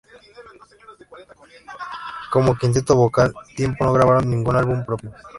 Cómo Quinteto Vocal Tiempo no grabaron ningún álbum propio.